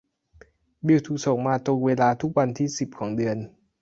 บิลถูกส่งมาตรงเวลาทุกวันที่สิบของเดือน